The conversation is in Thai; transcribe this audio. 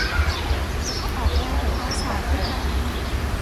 แต่ก็ออกแนวโหราศาสตร์ด้วยกัน